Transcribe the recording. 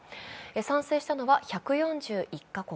賛成したのは１４１か国。